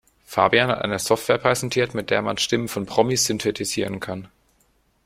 Fabian hat eine Software präsentiert, mit der man Stimmen von Promis synthetisieren kann.